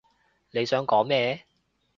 你想講咩？